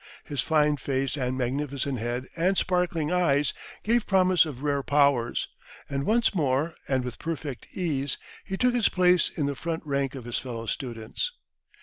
His fine face and magnificent head and sparkling eyes gave promise of rare powers, and once more, and with perfect ease, he took his place in the front rank of his fellow students.